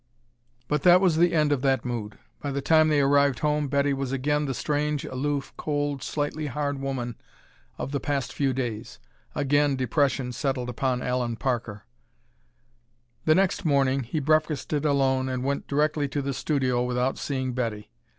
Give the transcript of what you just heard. But that was the end of that mood. By the time they arrived home Betty was again the strange, aloof, cold, slightly hard woman of the past few days. Again depression settled upon Allen Parker. The next morning he breakfasted alone and went directly to the studio, without seeing Betty.